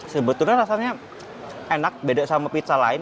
sebetulnya rasanya enak beda sama pizza lain